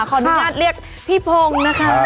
ขออนุญาตเรียกพี่พงฮะ